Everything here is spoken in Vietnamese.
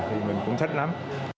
thì mình cũng thích lắm